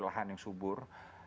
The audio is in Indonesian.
lahan yang subur